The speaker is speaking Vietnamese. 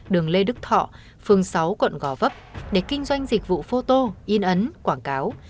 đường lê đức thọ phường sáu quận gò vấp để kinh doanh dịch vụ photo in ấn quảng cáo